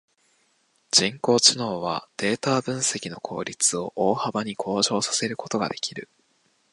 人工知能はデータ分析の効率を大幅に向上させることができる。